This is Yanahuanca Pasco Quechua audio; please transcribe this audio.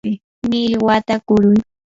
millwata kuruy.